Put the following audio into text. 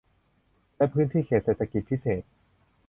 และพื้นที่เขตเศรษฐกิจพิเศษ